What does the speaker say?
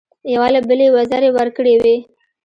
یو له بله یې وزرې ورکړې وې.